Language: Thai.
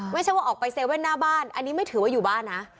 ไม่ใช่ว่าออกไป๗๑๑หน้าบ้านอันนี้ไม่ถือว่าอยู่บ้านนะ